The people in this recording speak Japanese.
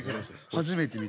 初めて見た。